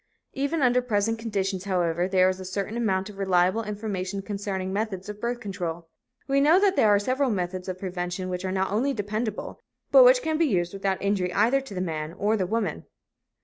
Even under present conditions, however, there is a certain amount of reliable information concerning methods of birth control. We know that there are several methods of prevention which are not only dependable, but which can be used without injury either to the man or the woman.